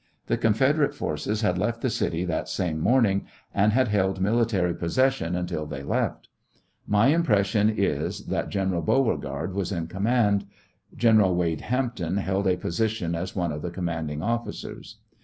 The Confederate forces had left the city that same morning, and had held military possession until they left. My impression is, that Gen. Beaucegard was in command. Gen. Wade Hampton held a posi tion as one of the commanding officers.